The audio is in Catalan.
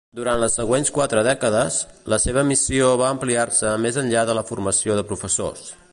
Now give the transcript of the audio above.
Durant les següents quatre dècades, la seva missió va ampliar-se més enllà de la formació de professors.